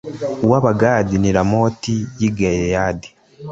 uw’Abagadi ni Ramoti y’i Gileyadi,